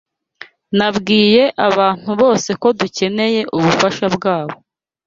Nabwiye abantu bose ko dukeneye ubufasha bwabo.